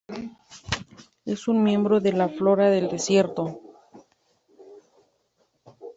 Es un miembro de la flora del desierto.